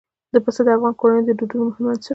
پسه د افغان کورنیو د دودونو مهم عنصر دی.